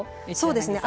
そうですね